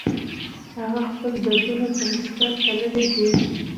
هغه خپل دردونه په مثقال تللي دي